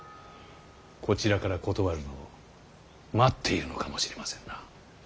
こちらから断るのを待っているのかもしれませんな。